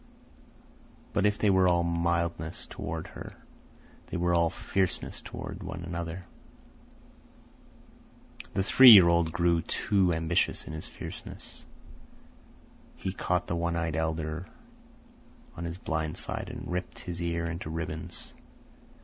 But if they were all mildness toward her, they were all fierceness toward one another. The three year old grew too ambitious in his fierceness. He caught the one eyed elder on his blind side and ripped his ear into ribbons.